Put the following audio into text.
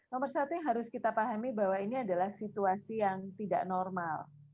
nomor satu yang harus kita pahami bahwa ini adalah situasi yang tidak normal